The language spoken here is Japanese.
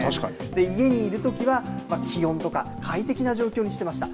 家にいるときは気温とか快適な状況にしていました。